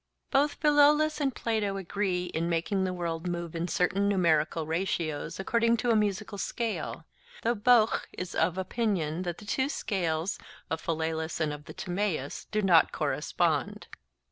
Both Philolaus and Plato agree in making the world move in certain numerical ratios according to a musical scale: though Bockh is of opinion that the two scales, of Philolaus and of the Timaeus, do not correspond...